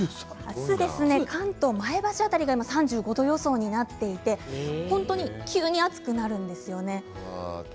関東、前橋辺りが３３度明日、３５度予想になっていまして急に暑くなるんですよね。